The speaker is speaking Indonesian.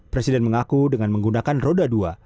presiden mengaku dengan menggunakan roda dua